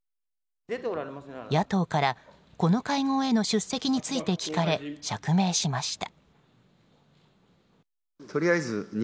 野党から、この会合への出席について聞かれ釈明しました。